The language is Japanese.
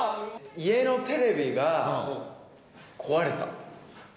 家のテレビが、壊れた。